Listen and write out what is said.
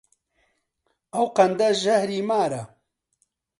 ئەو قەندە ژەهری مارە